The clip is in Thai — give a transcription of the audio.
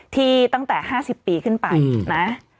ที่ตั้งแต่๕๐ปีขึ้นไปนะ